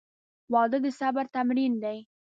• واده د صبر تمرین دی.